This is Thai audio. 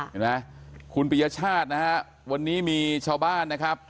เห็นไหมคุณปริยชาตินะฮะวันนี้มีชาวบ้านนะครับ